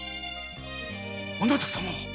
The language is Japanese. あなた様は！？